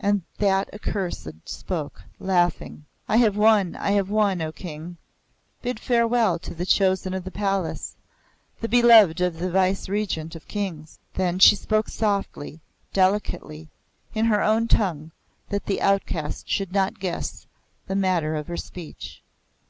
And that Accursed spoke, laughing. "I have won I have won, O King! Bid farewell to the Chosen of the Palace the Beloved of the Viceregent of Kings!" Then she spoke softly, delicately, in her own tongue, that the outcast should not guess the matter of her speech.